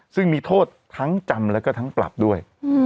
ซึ่งมีโทษทั้งจำแล้วก็ทั้งปรับด้วย